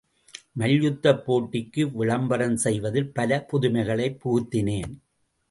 மல்யுத்தப் போட்டிக்கு விளம்பரம் செய்வதில் பல, புதுமைகளைப் புகுத்தினேன்.